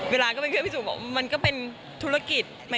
เวลาก็เป็นเครื่องที่สูดบอกว่ามันก็เป็นธุรกิจ